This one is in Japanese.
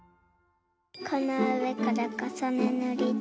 このうえからかさねぬりで。